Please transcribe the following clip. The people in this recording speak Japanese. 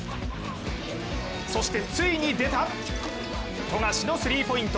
そしてついに出た、富樫のスリーポイント。